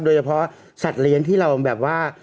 โดยเฉพาะสัตว์เลี้ยงที่เราแบบว่า